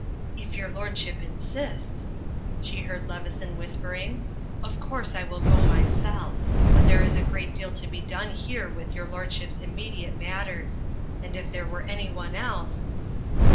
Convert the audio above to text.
"If your lordship insists," she heard Leveson whis pering, "of course I will go myself; but there is a great deal to be done here with your lordship's im mediate matters. And if there were anyone else